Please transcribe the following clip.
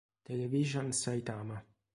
Television Saitama